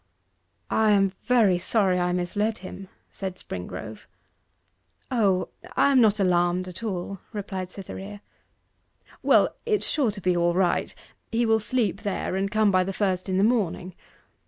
'I am very sorry I misled him,' said Springrove. 'O, I am not alarmed at all,' replied Cytherea. 'Well, it's sure to be all right he will sleep there, and come by the first in the morning.